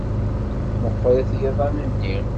Meɣɣrit yiḍan-nni.